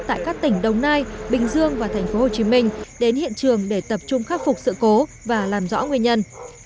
tại các tỉnh đồng nai bình dương và thành phố hồ chí minh đến hiện trường để tập trung khắc phục sự cố và làm rõ nguyên nhân